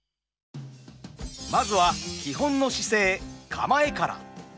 まずは基本の姿勢「構え」から。